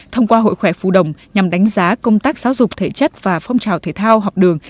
thông qua hội khỏe phù đồng nhằm đánh giá công tác giáo dục thể chất và phong trào thể thao học đường